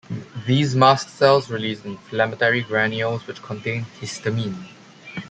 These mast cells release inflammatory granules which contain histamine.